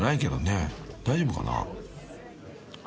［大丈夫かな］